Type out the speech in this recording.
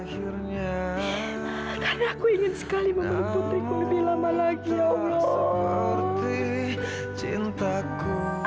karena aku ingin sekali memeluk putriku lebih lama lagi ya allah